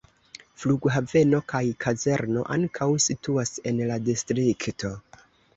Flughaveno kaj kazerno ankaŭ situas en la distrikto.